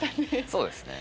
そうですね。